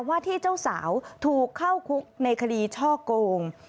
ว่าที่เจ้าสาวถูกเข้าคุกในคดีช่อโกง